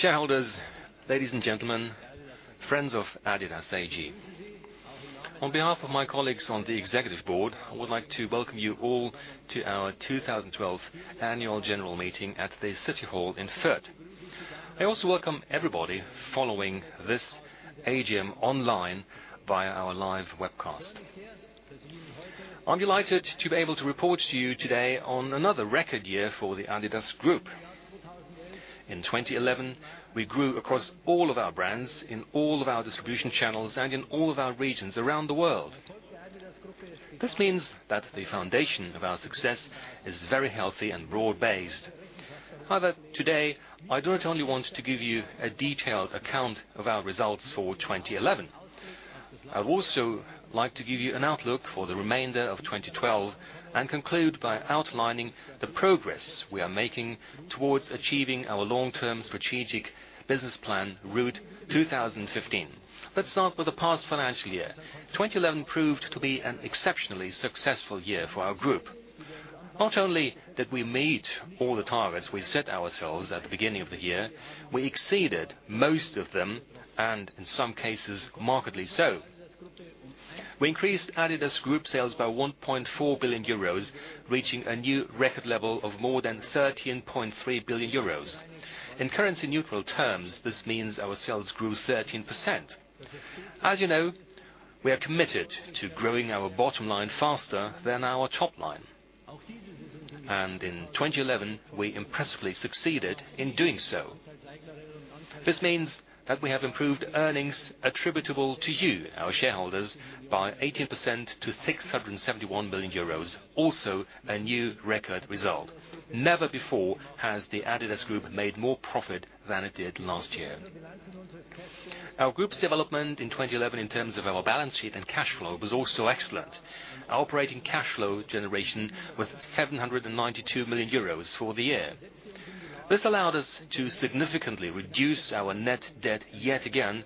Shareholders, ladies and gentlemen, friends of adidas AG. On behalf of my colleagues on the executive board, I would like to welcome you all to our 2012 Annual General Meeting at the City Hall in Fürth. I also welcome everybody following this AGM online via our live webcast. I am delighted to be able to report to you today on another record year for the adidas Group. In 2011, we grew across all of our brands, in all of our distribution channels, and in all of our regions around the world. This means that the foundation of our success is very healthy and broad-based. Today, I do not only want to give you a detailed account of our results for 2011. I would also like to give you an outlook for the remainder of 2012, and conclude by outlining the progress we are making towards achieving our long-term strategic business plan, Route 2015. Let's start with the past financial year. 2011 proved to be an exceptionally successful year for our Group. Not only did we meet all the targets we set ourselves at the beginning of the year, we exceeded most of them, and in some cases, markedly so. We increased adidas Group sales by 1.4 billion euros, reaching a new record level of more than 13.3 billion euros. In currency neutral terms, this means our sales grew 13%. As you know, we are committed to growing our bottom line faster than our top line. In 2011, we impressively succeeded in doing so. This means that we have improved earnings attributable to you, our shareholders, by 18% to 671 million euros. A new record result. Never before has the adidas Group made more profit than it did last year. Our Group's development in 2011 in terms of our balance sheet and cash flow was also excellent. Our operating cash flow generation was 792 million euros for the year. This allowed us to significantly reduce our net debt yet again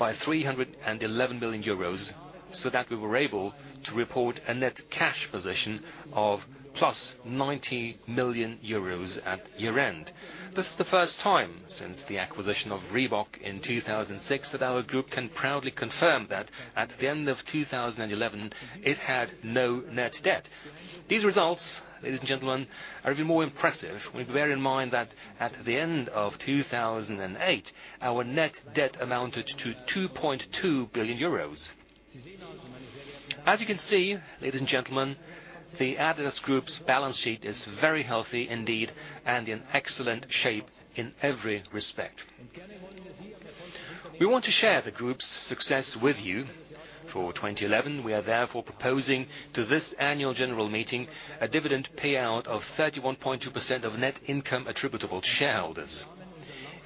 by 311 million euros, so that we were able to report a net cash position of plus 90 million euros at year-end. This is the first time since the acquisition of Reebok in 2006 that our Group can proudly confirm that at the end of 2011, it had no net debt. These results, ladies and gentlemen, are even more impressive when you bear in mind that at the end of 2008, our net debt amounted to 2.2 billion euros. As you can see, ladies and gentlemen, the adidas Group's balance sheet is very healthy indeed and in excellent shape in every respect. We want to share the Group's success with you. For 2011, we are therefore proposing to this Annual General Meeting a dividend payout of 31.2% of net income attributable to shareholders.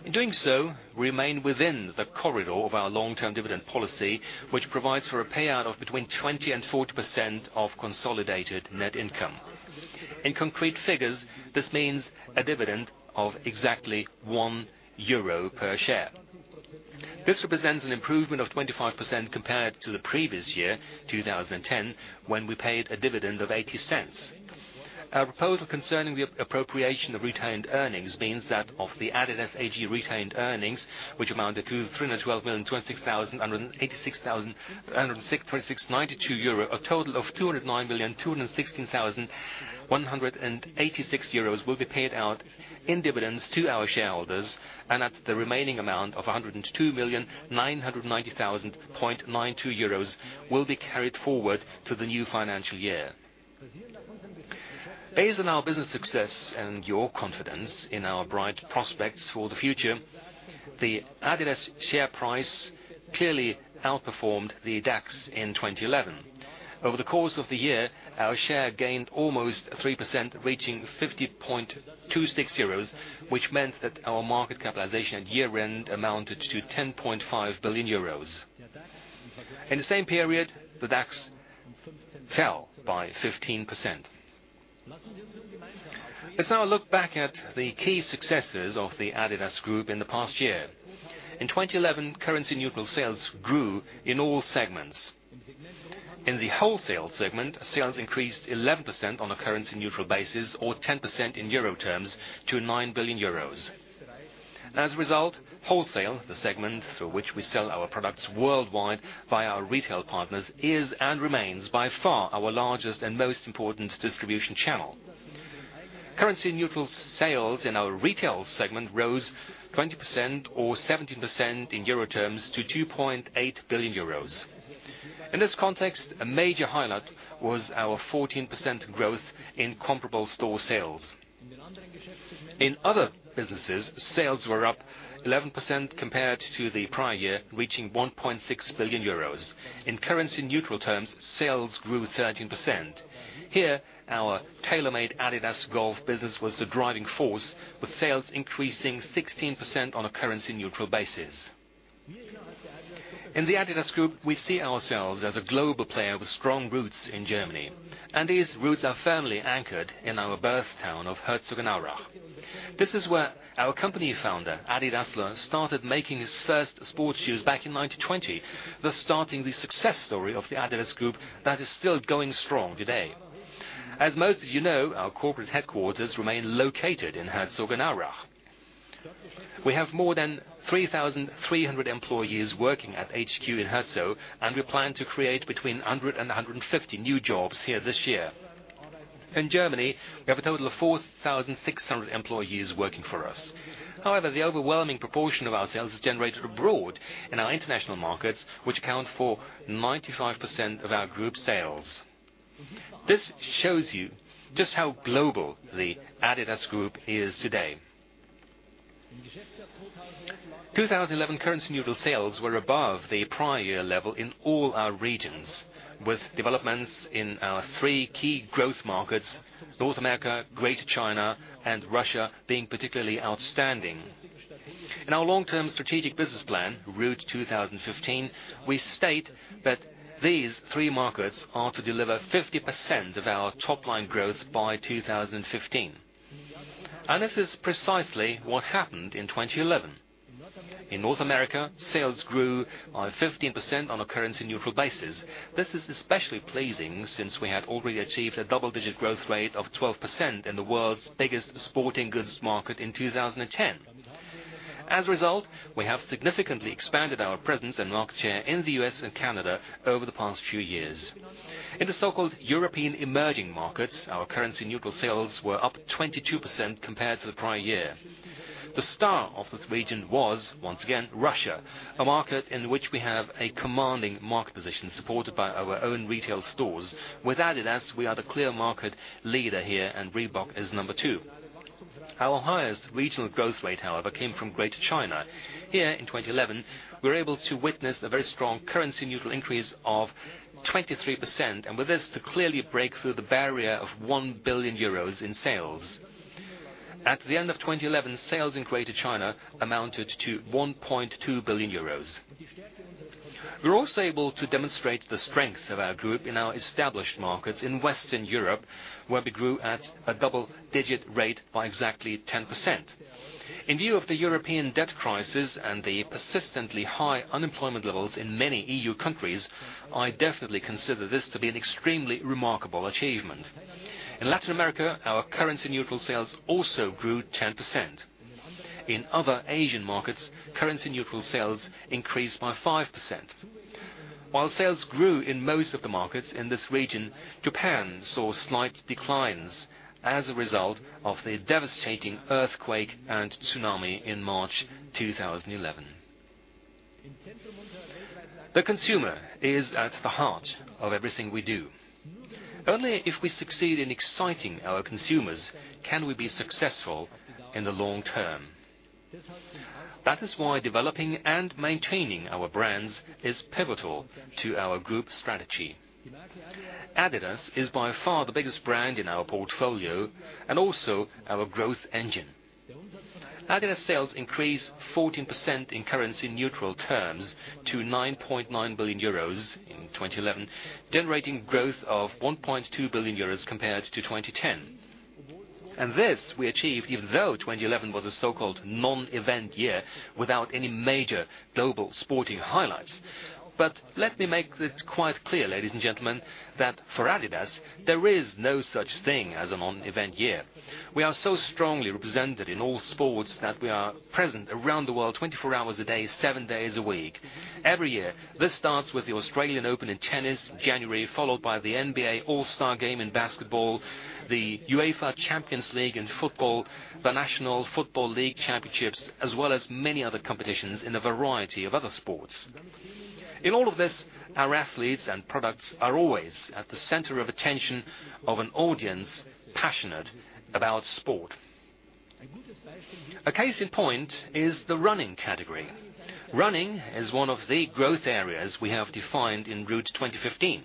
In doing so, we remain within the corridor of our long-term dividend policy, which provides for a payout of between 20%-40% of consolidated net income. In concrete figures, this means a dividend of exactly 1 euro per share. This represents an improvement of 25% compared to the previous year, 2010, when we paid a dividend of 0.80. Our proposal concerning the appropriation of retained earnings means that of the adidas AG retained earnings, which amounted to 312,226,186,136.92 euro, a total of 209,216,186 euros will be paid out in dividends to our shareholders, and that the remaining amount of 102,990,000.92 euros will be carried forward to the new financial year. Based on our business success and your confidence in our bright prospects for the future, the adidas share price clearly outperformed the DAX in 2011. Over the course of the year, our share gained almost 3%, reaching 50.26 euros, which meant that our market capitalization at year-end amounted to 10.5 billion euros. In the same period, the DAX fell by 15%. Let's now look back at the key successes of the adidas Group in the past year. In 2011, currency neutral sales grew in all segments. In the wholesale segment, sales increased 11% on a currency neutral basis or 10% in euro terms to 9 billion euros. As a result, wholesale, the segment through which we sell our products worldwide via our retail partners, is and remains by far our largest and most important distribution channel. Currency neutral sales in our retail segment rose 20% or 17% in euro terms to 2.8 billion euros. In this context, a major highlight was our 14% growth in comparable store sales. In other businesses, sales were up 11% compared to the prior year, reaching 1.6 billion euros. In currency neutral terms, sales grew 13%. Here, our TaylorMade-adidas Golf business was the driving force, with sales increasing 16% on a currency neutral basis. In the adidas Group, we see ourselves as a global player with strong roots in Germany, and these roots are firmly anchored in our birth town of Herzogenaurach. This is where our company founder, Adi Dassler, started making his first sports shoes back in 1920, thus starting the success story of the adidas Group that is still going strong today. As most of you know, our corporate headquarters remain located in Herzogenaurach. We have more than 3,300 employees working at HQ in Herzo, and we plan to create between 100-150 new jobs here this year. In Germany, we have a total of 4,600 employees working for us. However, the overwhelming proportion of our sales is generated abroad in our international markets, which account for 95% of our group sales. This shows you just how global the adidas Group is today. 2011 currency neutral sales were above the prior year level in all our regions, with developments in our three key growth markets, North America, Greater China, and Russia being particularly outstanding. In our long-term strategic business plan, Route 2015, we state that these three markets are to deliver 50% of our top-line growth by 2015. This is precisely what happened in 2011. In North America, sales grew by 15% on a currency neutral basis. This is especially pleasing since we had already achieved a double-digit growth rate of 12% in the world's biggest sporting goods market in 2010. As a result, we have significantly expanded our presence and market share in the U.S. and Canada over the past few years. In the so-called European emerging markets, our currency neutral sales were up 22% compared to the prior year. The star of this region was, once again, Russia, a market in which we have a commanding market position supported by our own retail stores. With adidas, we are the clear market leader here, and Reebok is number two. Our highest regional growth rate, however, came from Greater China. Here in 2011, we were able to witness a very strong currency neutral increase of 23%, and with this to clearly break through the barrier of 1 billion euros in sales. At the end of 2011, sales in Greater China amounted to 1.2 billion euros. We were also able to demonstrate the strength of our group in our established markets in Western Europe, where we grew at a double-digit rate by exactly 10%. In view of the European debt crisis and the persistently high unemployment levels in many EU countries, I definitely consider this to be an extremely remarkable achievement. In Latin America, our currency neutral sales also grew 10%. In other Asian markets, currency neutral sales increased by 5%. While sales grew in most of the markets in this region, Japan saw slight declines as a result of the devastating earthquake and tsunami in March 2011. The consumer is at the heart of everything we do. Only if we succeed in exciting our consumers, can we be successful in the long term. That is why developing and maintaining our brands is pivotal to our group strategy. adidas is by far the biggest brand in our portfolio and also our growth engine. adidas sales increased 14% in currency neutral terms to 9.9 billion euros in 2011, generating growth of 1.2 billion euros compared to 2010. This we achieved even though 2011 was a so-called non-event year without any major global sporting highlights. Let me make it quite clear, ladies and gentlemen, that for adidas, there is no such thing as a non-event year. We are so strongly represented in all sports that we are present around the world 24 hours a day, seven days a week. Every year, this starts with the Australian Open in tennis in January, followed by the NBA All-Star Game in basketball, the UEFA Champions League in football, the National Football League championships, as well as many other competitions in a variety of other sports. In all of this, our athletes and products are always at the center of attention of an audience passionate about sport. A case in point is the running category. Running is one of the growth areas we have defined in Route 2015,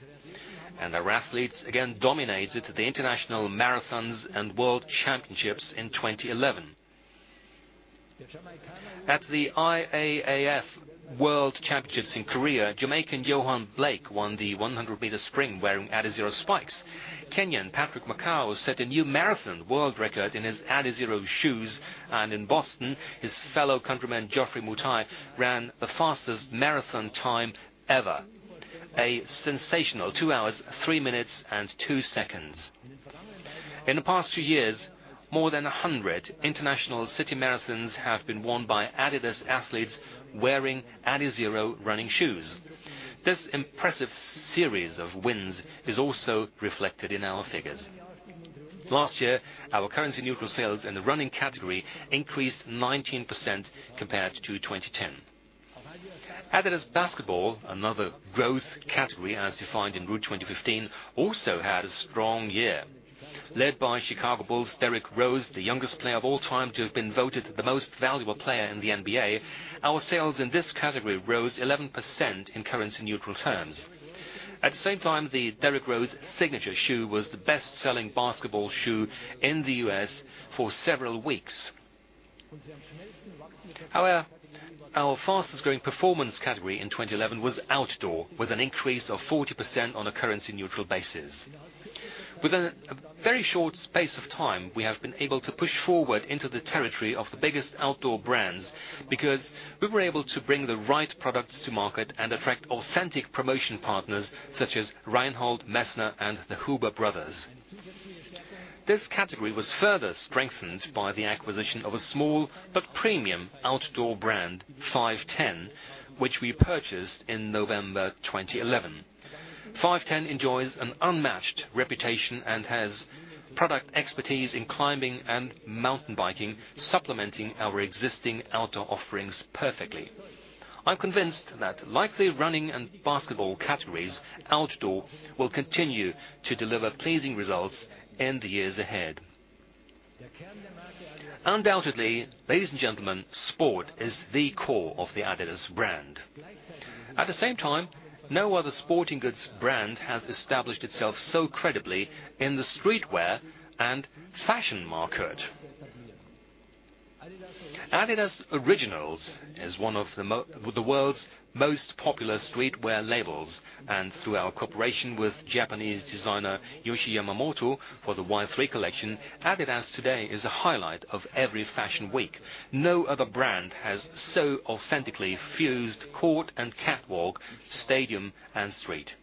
and our athletes again dominated the international marathons and world championships in 2011. At the IAAF World Championships in Korea, Jamaican Yohan Blake won the 100-meter sprint wearing Adizero spikes. Kenyan Patrick Makau set a new marathon world record in his Adizero shoes, and in Boston, his fellow countryman Geoffrey Mutai ran the fastest marathon time ever, a sensational two hours, three minutes and two seconds. In the past few years, more than 100 international city marathons have been won by adidas athletes wearing Adizero running shoes. This impressive series of wins is also reflected in our figures. Last year, our currency neutral sales in the running category increased 19% compared to 2010. adidas basketball, another growth category as defined in Route 2015, also had a strong year. Led by Chicago Bulls' Derrick Rose, the youngest player of all time to have been voted the most valuable player in the NBA, our sales in this category rose 11% in currency neutral terms. At the same time, the Derrick Rose signature shoe was the best-selling basketball shoe in the U.S. for several weeks. However, our fastest-growing performance category in 2011 was outdoor, with an increase of 40% on a currency-neutral basis. Within a very short space of time, we have been able to push forward into the territory of the biggest outdoor brands because we were able to bring the right products to market and attract authentic promotion partners such as Reinhold Messner and the Huber brothers. This category was further strengthened by the acquisition of a small but premium outdoor brand, Five Ten, which we purchased in November 2011. Five Ten enjoys an unmatched reputation and has product expertise in climbing and mountain biking, supplementing our existing outdoor offerings perfectly. I'm convinced that like the running and basketball categories, outdoor will continue to deliver pleasing results in the years ahead. Undoubtedly, ladies and gentlemen, sport is the core of the adidas brand. At the same time, no other sporting goods brand has established itself so credibly in the streetwear and fashion market. adidas Originals is one of the world's most popular streetwear labels, and through our cooperation with Japanese designer Yohji Yamamoto for the Y-3 collection, adidas today is a highlight of every fashion week. No other brand has so authentically fused court and catwalk, stadium and street.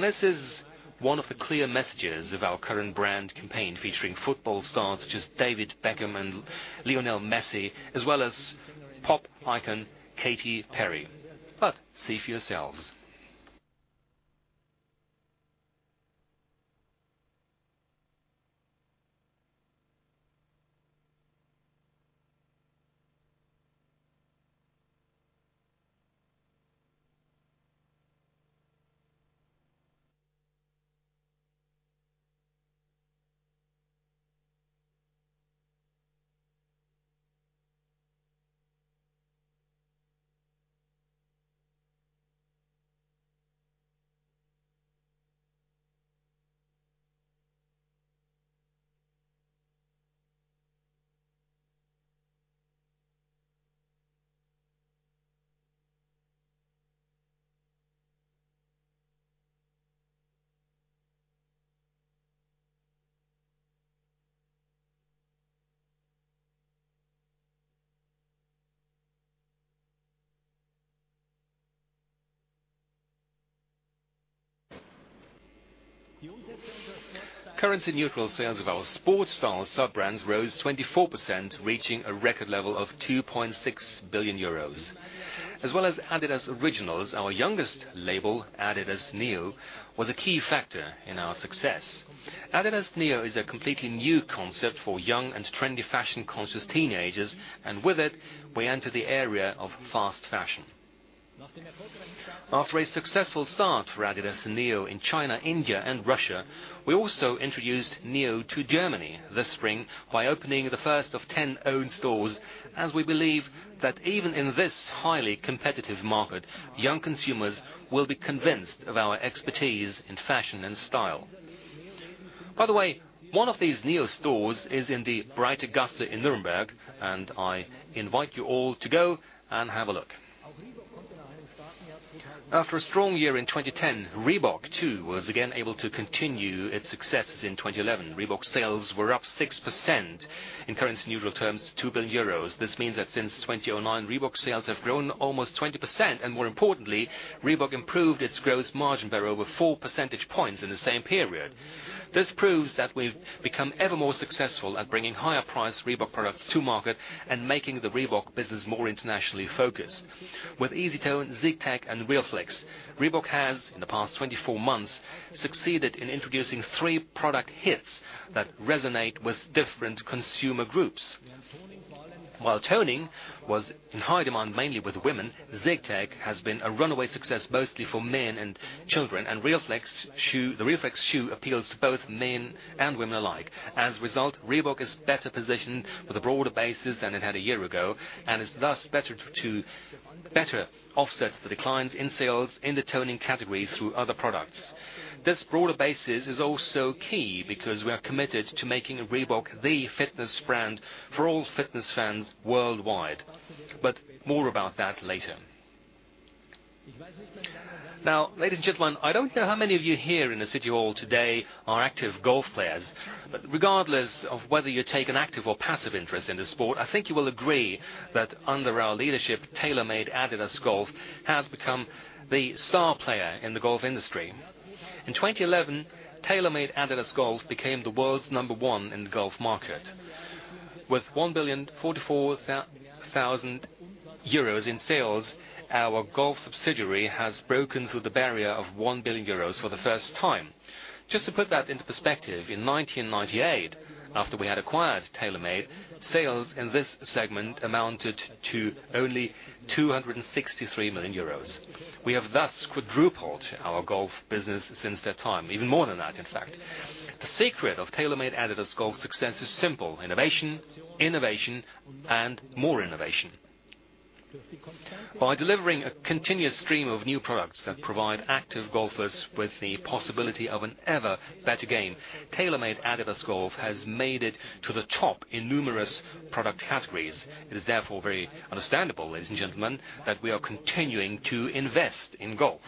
This is one of the clear messages of our current brand campaign, featuring football stars such as David Beckham and Lionel Messi, as well as pop icon Katy Perry. See for yourselves. Currency neutral sales of our sports style sub-brands rose 24%, reaching a record level of 2.6 billion euros. As well as adidas Originals, our youngest label, adidas NEO, was a key factor in our success. adidas NEO is a completely new concept for young and trendy fashion-conscious teenagers, and with it, we enter the area of fast fashion. After a successful start for adidas NEO in China, India, and Russia, we also introduced NEO to Germany this spring by opening the first of 10 own stores, as we believe that even in this highly competitive market, young consumers will be convinced of our expertise in fashion and style. By the way, one of these NEO stores is in the Breite Gasse in Nuremberg, and I invite you all to go and have a look. After a strong year in 2010, Reebok, too, was again able to continue its successes in 2011. Reebok sales were up 6%, in currency neutral terms, 2 billion euros. This means that since 2009, Reebok sales have grown almost 20%, and more importantly, Reebok improved its gross margin by over four percentage points in the same period. This proves that we've become ever more successful at bringing higher priced Reebok products to market and making the Reebok business more internationally focused. With EasyTone, ZigTech, and RealFlex, Reebok has, in the past 24 months, succeeded in introducing three product hits that resonate with different consumer groups. While toning was in high demand mainly with women, ZigTech has been a runaway success mostly for men and children, and the RealFlex shoe appeals to both men and women alike. As a result, Reebok is better positioned with a broader basis than it had a year ago and is thus better offset the declines in sales in the toning category through other products. This broader basis is also key because we are committed to making Reebok the fitness brand for all fitness fans worldwide. More about that later. Ladies and gentlemen, I don't know how many of you here in the city hall today are active golf players, but regardless of whether you take an active or passive interest in the sport, I think you will agree that under our leadership, TaylorMade-adidas Golf has become the star player in the golf industry. In 2011, TaylorMade-adidas Golf became the world's number one in the golf market. With 1,044,000 euros in sales, our golf subsidiary has broken through the barrier of 1 billion euros for the first time. Just to put that into perspective, in 1998, after we had acquired TaylorMade, sales in this segment amounted to only 263 million euros. We have thus quadrupled our golf business since that time. Even more than that, in fact. The secret of TaylorMade-adidas Golf success is simple: innovation, and more innovation. By delivering a continuous stream of new products that provide active golfers with the possibility of an ever better game, TaylorMade-adidas Golf has made it to the top in numerous product categories. It is therefore very understandable, ladies and gentlemen, that we are continuing to invest in golf.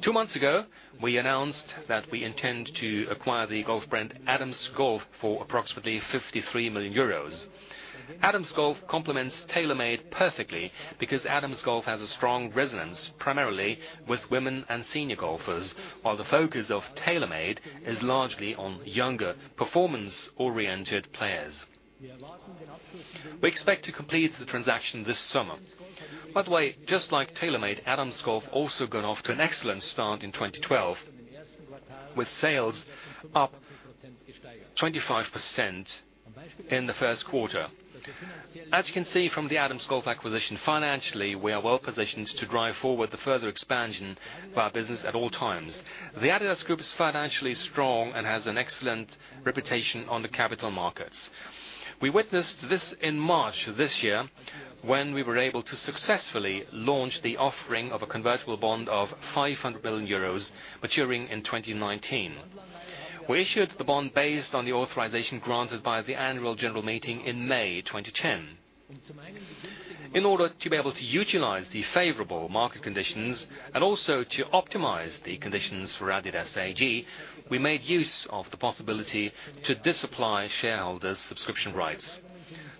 Two months ago, we announced that we intend to acquire the golf brand Adams Golf for approximately 53 million euros. Adams Golf complements TaylorMade perfectly because Adams Golf has a strong resonance primarily with women and senior golfers, while the focus of TaylorMade is largely on younger, performance-oriented players. We expect to complete the transaction this summer. By the way, just like TaylorMade, Adams Golf also got off to an excellent start in 2012, with sales up 25% in the first quarter. As you can see from the Adams Golf acquisition, financially, we are well-positioned to drive forward the further expansion of our business at all times. The adidas Group is financially strong and has an excellent reputation on the capital markets. We witnessed this in March this year when we were able to successfully launch the offering of a convertible bond of 500 million euros maturing in 2019. We issued the bond based on the authorization granted by the annual general meeting in May 2010. In order to be able to utilize the favorable market conditions and also to optimize the conditions for adidas AG, we made use of the possibility to disapply shareholders' subscription rights.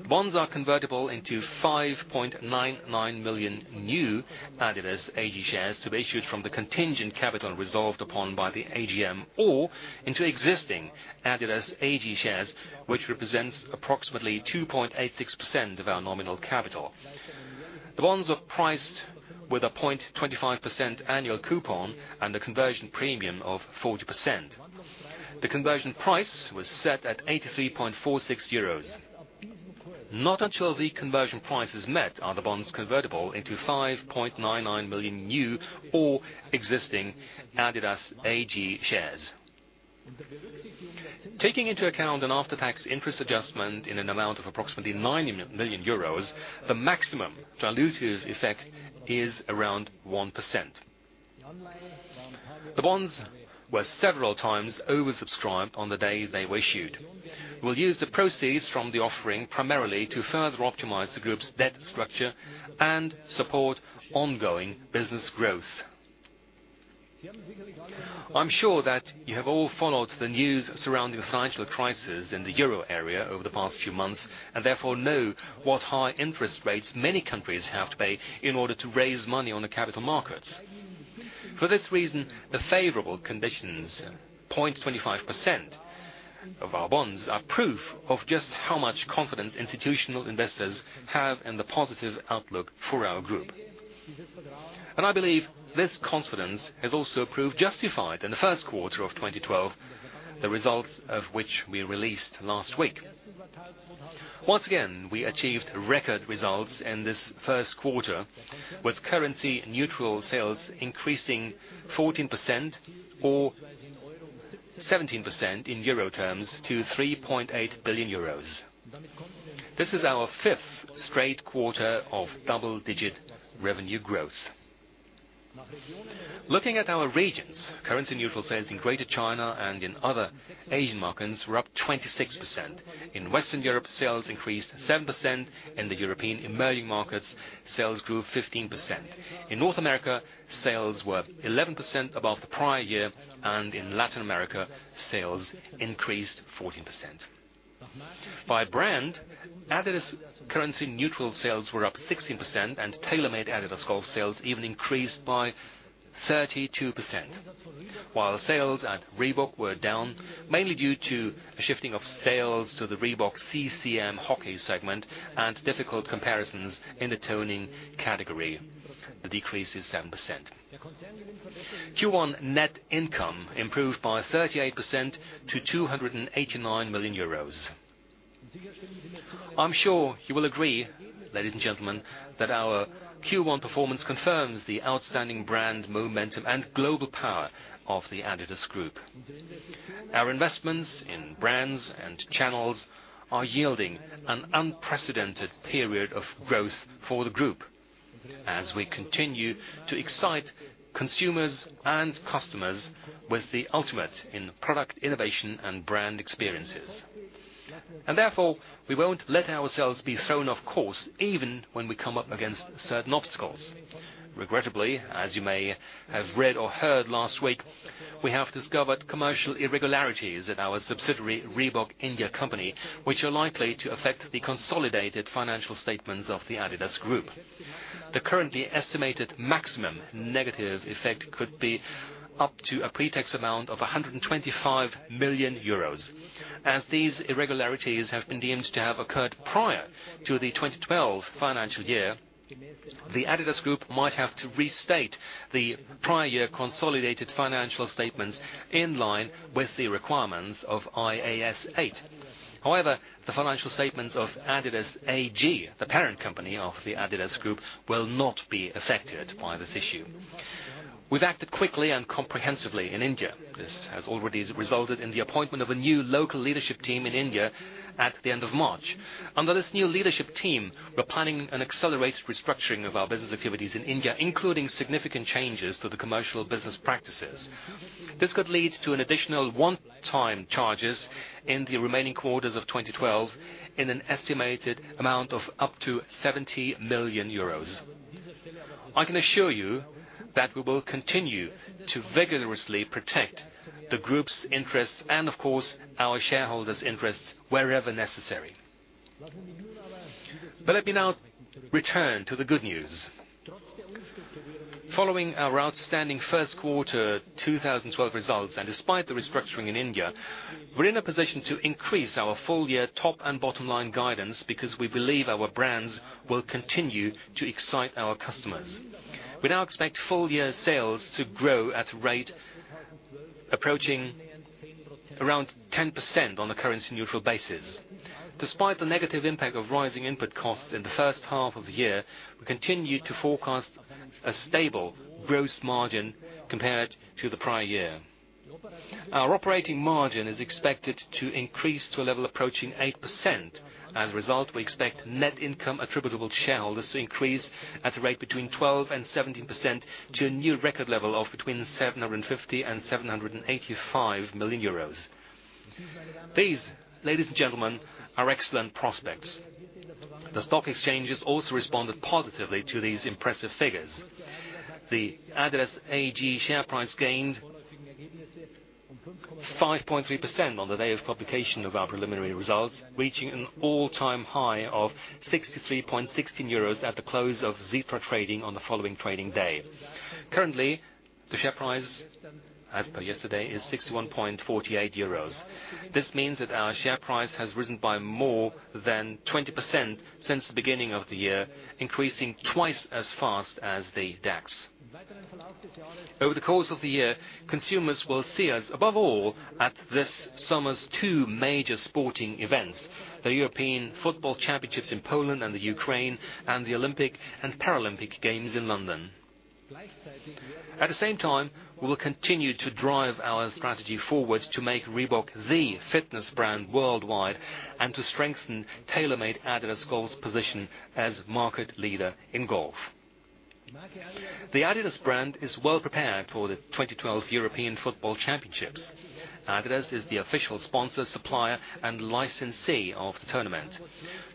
Bonds are convertible into 5.99 million new adidas AG shares to be issued from the contingent capital resolved upon by the AGM or into existing adidas AG shares, which represents approximately 2.86% of our nominal capital. The bonds are priced with a 0.25% annual coupon and a conversion premium of 40%. The conversion price was set at 83.46 euros. Not until the conversion price is met are the bonds convertible into 5.99 million new or existing adidas AG shares. Taking into account an after-tax interest adjustment in an amount of approximately 9 million euros, the maximum dilutive effect is around 1%. The bonds were several times oversubscribed on the day they were issued. We'll use the proceeds from the offering primarily to further optimize the group's debt structure and support ongoing business growth. I'm sure that you have all followed the news surrounding the financial crisis in the Euro area over the past few months, therefore know what high interest rates many countries have to pay in order to raise money on the capital markets. For this reason, the favorable conditions, 0.25% of our bonds, are proof of just how much confidence institutional investors have in the positive outlook for our group. I believe this confidence has also proved justified in the first quarter of 2012, the results of which we released last week. Once again, we achieved record results in this first quarter, with currency neutral sales increasing 14% or 17% in EUR terms to 3.8 billion euros. This is our fifth straight quarter of double-digit revenue growth. Looking at our regions, currency neutral sales in Greater China and in other Asian markets were up 26%. In Western Europe, sales increased 7%. In the European emerging markets, sales grew 15%. In North America, sales were 11% above the prior year, in Latin America, sales increased 14%. By brand, adidas currency neutral sales were up 16% and TaylorMade-adidas Golf sales even increased by 32%, while sales at Reebok were down, mainly due to a shifting of sales to the Reebok-CCM Hockey segment and difficult comparisons in the toning category. The decrease is 7%. Q1 net income improved by 38% to 289 million euros. I'm sure you will agree, ladies and gentlemen, that our Q1 performance confirms the outstanding brand momentum and global power of the adidas Group. Our investments in brands and channels are yielding an unprecedented period of growth for the group as we continue to excite consumers and customers with the ultimate in product innovation and brand experiences. Therefore, we won't let ourselves be thrown off course even when we come up against certain obstacles. Regrettably, as you may have read or heard last week, we have discovered commercial irregularities at our subsidiary, Reebok India Company, which are likely to affect the consolidated financial statements of the adidas Group. The currently estimated maximum negative effect could be up to a pre-tax amount of 125 million euros. As these irregularities have been deemed to have occurred prior to the 2012 financial year, the adidas Group might have to restate the prior year consolidated financial statements in line with the requirements of IAS 8. However, the financial statements of adidas AG, the parent company of the adidas Group, will not be affected by this issue. We've acted quickly and comprehensively in India. This has already resulted in the appointment of a new local leadership team in India at the end of March. Under this new leadership team, we're planning an accelerated restructuring of our business activities in India, including significant changes to the commercial business practices. This could lead to an additional one-time charges in the remaining quarters of 2012 in an estimated amount of up to 70 million euros. I can assure you that we will continue to vigorously protect the group's interests and of course, our shareholders' interests wherever necessary. Let me now return to the good news. Following our outstanding first quarter 2012 results, despite the restructuring in India, we're in a position to increase our full year top and bottom line guidance because we believe our brands will continue to excite our customers. We now expect full year sales to grow at a rate approaching around 10% on a currency neutral basis. Despite the negative impact of rising input costs in the first half of the year, we continue to forecast a stable gross margin compared to the prior year. Our operating margin is expected to increase to a level approaching 8%. As a result, we expect net income attributable to shareholders to increase at a rate between 12% and 17% to a new record level of between 750 million and 785 million euros. These, ladies and gentlemen, are excellent prospects. The stock exchanges also responded positively to these impressive figures. The adidas AG share price gained 5.3% on the day of publication of our preliminary results, reaching an all-time high of 63.16 euros at the close of Xetra trading on the following trading day. Currently, the share price as per yesterday is 61.48 euros. This means that our share price has risen by more than 20% since the beginning of the year, increasing twice as fast as the DAX. Over the course of the year, consumers will see us above all at this summer's two major sporting events, the European Football Championships in Poland and the Ukraine, and the Olympic and Paralympic Games in London. At the same time, we will continue to drive our strategy forwards to make Reebok the fitness brand worldwide and to strengthen TaylorMade-adidas Golf's position as market leader in golf. The adidas brand is well prepared for the 2012 European Football Championships. adidas is the official sponsor, supplier, and licensee of the tournament.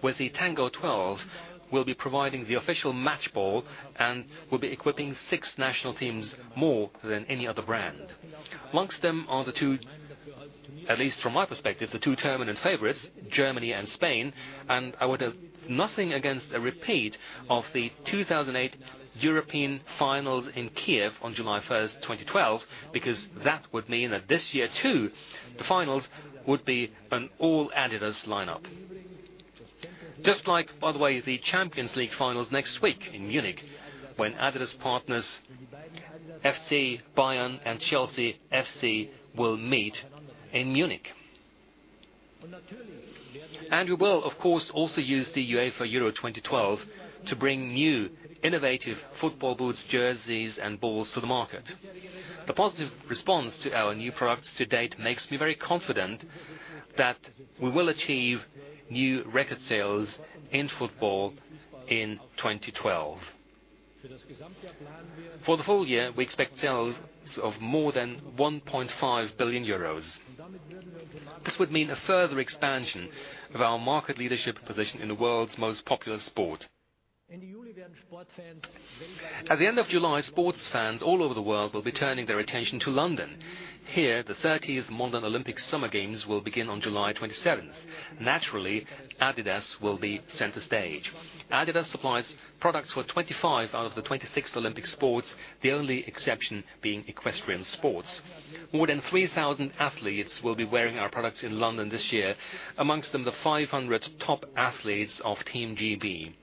With the Tango 12, we'll be providing the official match ball and will be equipping 6 national teams, more than any other brand. Amongst them are, at least from my perspective, the two tournament favorites, Germany and Spain, I would have nothing against a repeat of the 2008 European finals in Kyiv on July 1st, 2012, because that would mean that this year too, the finals would be an all-adidas lineup. Just like, by the way, the UEFA Champions League finals next week in Munich, when adidas partners FC Bayern and Chelsea FC will meet in Munich. We will, of course, also use the UEFA Euro 2012 to bring new, innovative football boots, jerseys, and balls to the market. The positive response to our new products to date makes me very confident that we will achieve new record sales in football in 2012. For the full year, we expect sales of more than 1.5 billion euros. This would mean a further expansion of our market leadership position in the world's most popular sport. At the end of July, sports fans all over the world will be turning their attention to London. Here, the 30th modern Olympic Summer Games will begin on July 27th. Naturally, adidas will be center stage. adidas supplies products for 25 out of the 26 Olympic sports, the only exception being equestrian sports. More than 3,000 athletes will be wearing our products in London this year, amongst them the 500 top athletes of Team GB.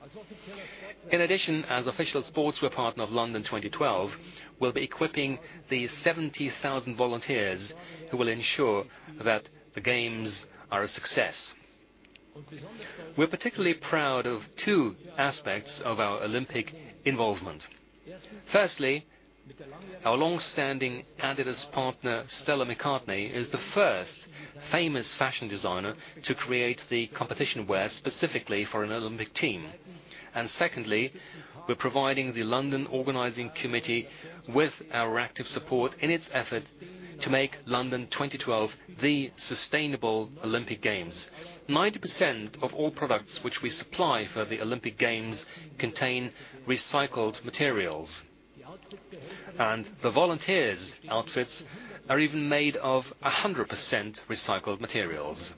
In addition, as official sportswear partner of London 2012, we'll be equipping the 70,000 volunteers who will ensure that the games are a success. We're particularly proud of two aspects of our Olympic involvement. Firstly, our longstanding adidas partner, Stella McCartney, is the first famous fashion designer to create the competition wear specifically for an Olympic team. Secondly, we're providing the London Organising Committee with our active support in its effort to make London 2012 the sustainable Olympic Games. 90% of all products which we supply for the Olympic Games contain recycled materials. The volunteers' outfits are even made of 100% recycled materials.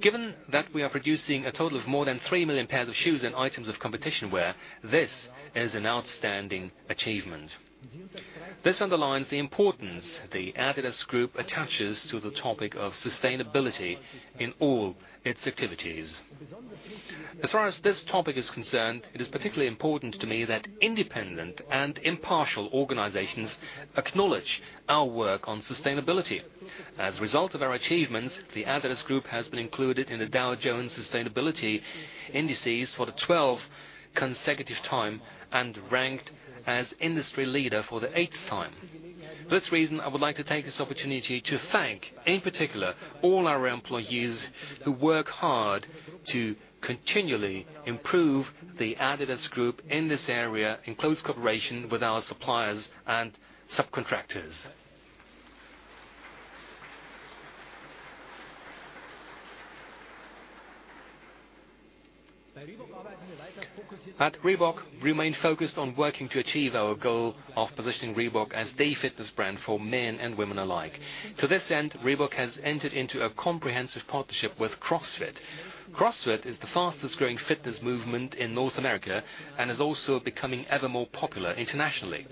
Given that we are producing a total of more than 3 million pairs of shoes and items of competition wear, this is an outstanding achievement. This underlines the importance the adidas Group attaches to the topic of sustainability in all its activities. As far as this topic is concerned, it is particularly important to me that independent and impartial organizations acknowledge our work on sustainability. As a result of our achievements, the adidas Group has been included in the Dow Jones Sustainability Indices for the 12th consecutive time and ranked as industry leader for the eighth time. For this reason, I would like to take this opportunity to thank, in particular, all our employees who work hard to continually improve the adidas Group in this area in close cooperation with our suppliers and subcontractors. At Reebok, we remain focused on working to achieve our goal of positioning Reebok as the fitness brand for men and women alike. To this end, Reebok has entered into a comprehensive partnership with CrossFit. CrossFit is the fastest-growing fitness movement in North America and is also becoming ever more popular internationally.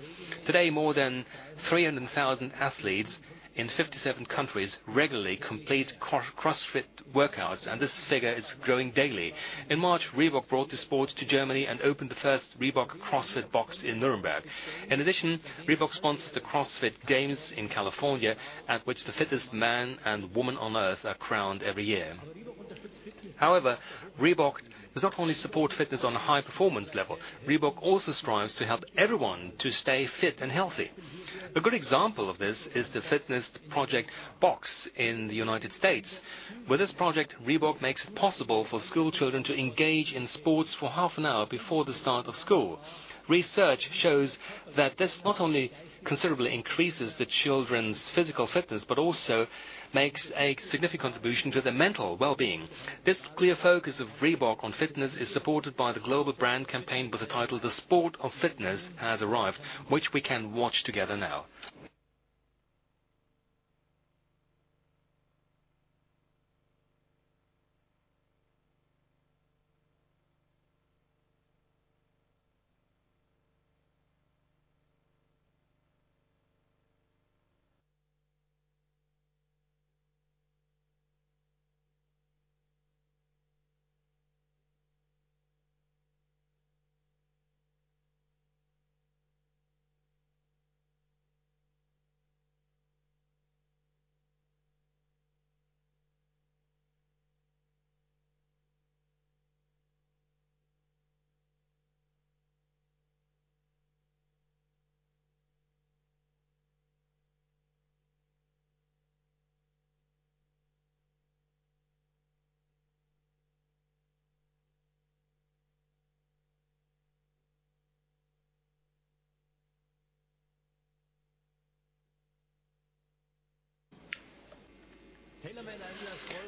Today, more than 300,000 athletes in 57 countries regularly complete CrossFit workouts, and this figure is growing daily. In March, Reebok brought the sport to Germany and opened the first Reebok CrossFit Box in Nuremberg. In addition, Reebok sponsors the CrossFit Games in California, at which the fittest man and woman on Earth are crowned every year. However, Reebok does not only support fitness on a high performance level. Reebok also strives to help everyone to stay fit and healthy. A good example of this is the fitness project BOKS in the U.S. With this project, Reebok makes it possible for school children to engage in sports for half an hour before the start of school. Research shows that this not only considerably increases the children's physical fitness, but also makes a significant contribution to their mental well-being. This clear focus of Reebok on fitness is supported by the global brand campaign with the title, "The Sport of Fitness has Arrived," which we can watch together now.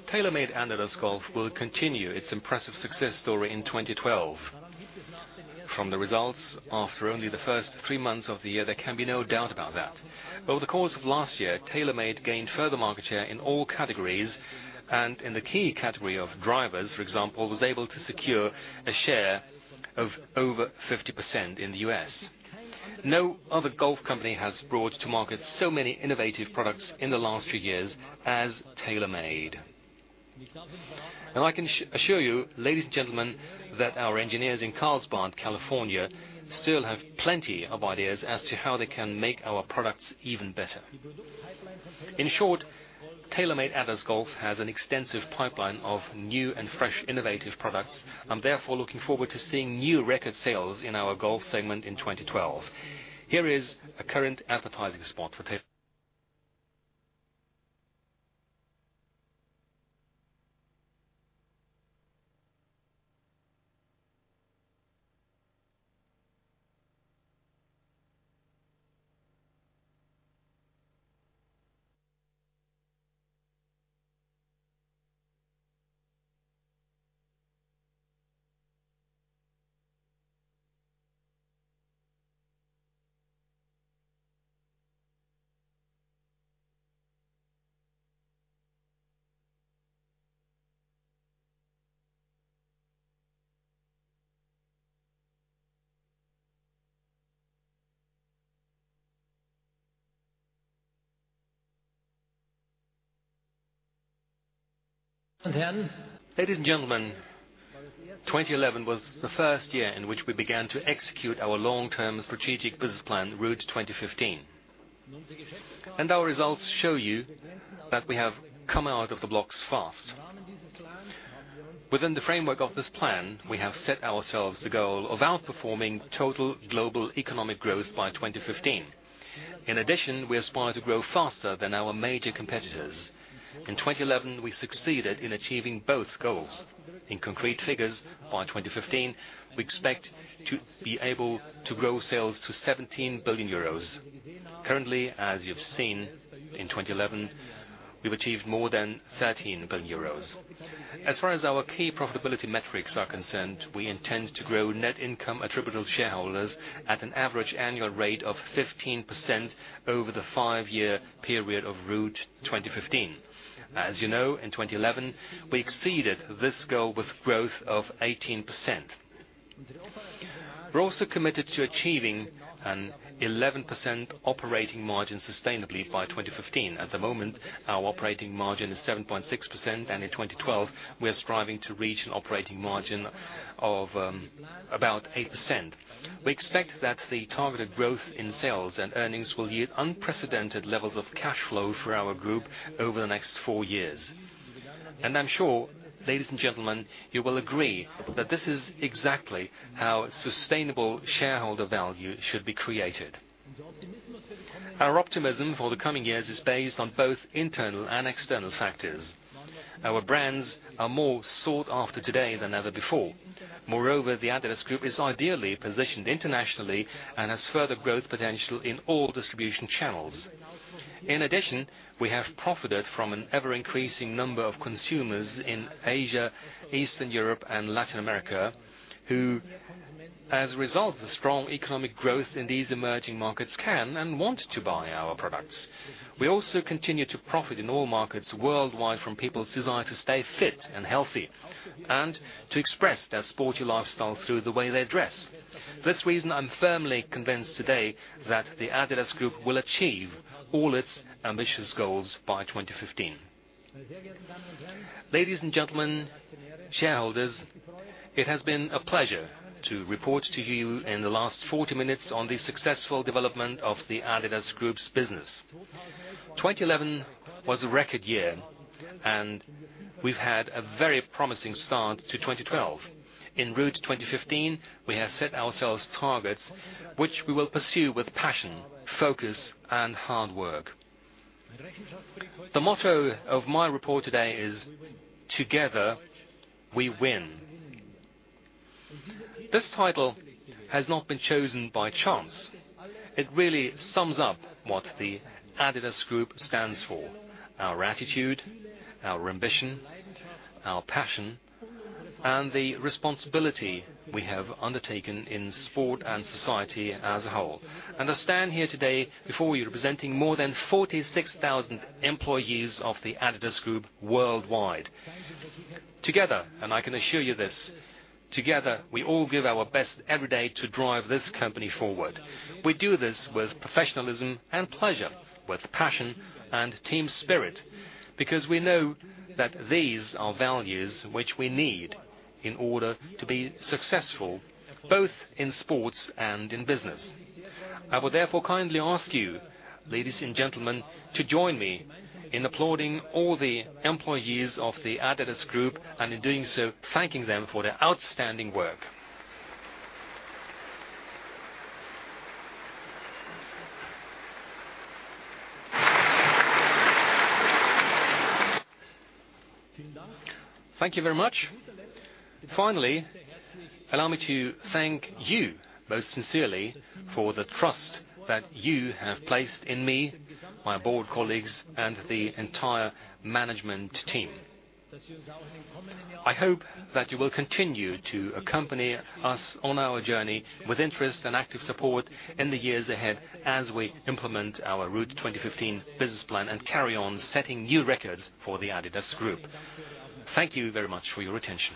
TaylorMade-adidas Golf will continue its impressive success story in 2012. From the results after only the first three months of the year, there can be no doubt about that. Over the course of last year, TaylorMade gained further market share in all categories, and in the key category of drivers, for example, was able to secure a share of over 50% in the U.S. No other golf company has brought to market so many innovative products in the last few years as TaylorMade. Now, I can assure you, ladies and gentlemen, that our engineers in Carlsbad, California, still have plenty of ideas as to how they can make our products even better. In short, TaylorMade-adidas Golf has an extensive pipeline of new and fresh, innovative products. I'm therefore looking forward to seeing new record sales in our golf segment in 2012. Here is a current advertising spot for Ladies and gentlemen, 2011 was the first year in which we began to execute our long-term strategic business plan, Route 2015. Our results show you that we have come out of the blocks fast. Within the framework of this plan, we have set ourselves the goal of outperforming total global economic growth by 2015. In addition, we aspire to grow faster than our major competitors. In 2011, we succeeded in achieving both goals. In concrete figures, by 2015, we expect to be able to grow sales to 17 billion euros. Currently, as you've seen, in 2011, we've achieved more than 13 billion euros. As far as our key profitability metrics are concerned, we intend to grow net income attributable to shareholders at an average annual rate of 15% over the five-year period of Route 2015. As you know, in 2011, we exceeded this goal with growth of 18%. We're also committed to achieving an 11% operating margin sustainably by 2015. At the moment, our operating margin is 7.6%, and in 2012, we are striving to reach an operating margin of about 8%. We expect that the targeted growth in sales and earnings will yield unprecedented levels of cash flow for our group over the next four years. I'm sure, ladies and gentlemen, you will agree that this is exactly how sustainable shareholder value should be created. Our optimism for the coming years is based on both internal and external factors. Our brands are more sought after today than ever before. Moreover, the adidas Group is ideally positioned internationally and has further growth potential in all distribution channels. In addition, we have profited from an ever-increasing number of consumers in Asia, Eastern Europe, and Latin America, who as a result of the strong economic growth in these emerging markets, can and want to buy our products. We also continue to profit in all markets worldwide from people's desire to stay fit and healthy, and to express their sporty lifestyle through the way they dress. For this reason, I'm firmly convinced today that the adidas Group will achieve all its ambitious goals by 2015. Ladies and gentlemen, shareholders, it has been a pleasure to report to you in the last 40 minutes on the successful development of the adidas Group's business. 2011 was a record year, and we've had a very promising start to 2012. In Route 2015, we have set ourselves targets which we will pursue with passion, focus, and hard work. The motto of my report today is, together, we win. This title has not been chosen by chance. It really sums up what the adidas Group stands for. Our attitude, our ambition, our passion, and the responsibility we have undertaken in sport and society as a whole. I stand here today before you representing more than 46,000 employees of the adidas Group worldwide. Together, and I can assure you this, we all give our best every day to drive this company forward. We do this with professionalism and pleasure, with passion and team spirit, because we know that these are values which we need in order to be successful, both in sports and in business. I would therefore kindly ask you, ladies and gentlemen, to join me in applauding all the employees of the adidas Group, and in doing so, thanking them for their outstanding work. Thank you very much. Finally, allow me to thank you most sincerely for the trust that you have placed in me, my board colleagues, and the entire management team. I hope that you will continue to accompany us on our journey with interest and active support in the years ahead as we implement our Route 2015 business plan and carry on setting new records for the adidas Group. Thank you very much for your attention.